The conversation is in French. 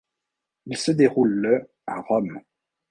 Il se déroule le à Rome.